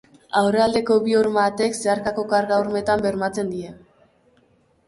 Aurrealdeko bi horma-arteak zeharkako karga-hormetan bermatzen dira.